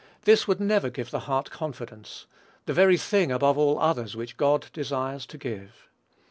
This would never give the heart confidence, the very thing above all others which God desires to give.